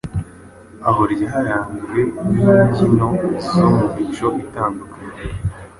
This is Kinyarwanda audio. aho ryaranzwe n’imbyino zo mu mico itandukanye